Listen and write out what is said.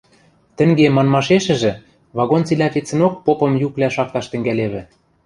Тӹнге манмашешӹжӹ вагон цилӓ вецӹнок попым юквлӓ шакташ тӹнгӓлевӹ: